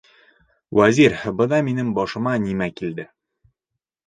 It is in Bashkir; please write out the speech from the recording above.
— Вәзир, бына минең башыма нимә килде.